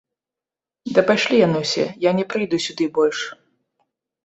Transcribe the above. Да пайшлі яны ўсе, я не прыйду сюды больш!